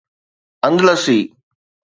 اندلسي